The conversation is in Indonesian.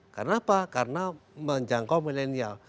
karena apa karena menjangkau milenial